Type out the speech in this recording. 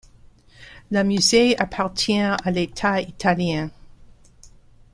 Le musée appartient à l’État Italien.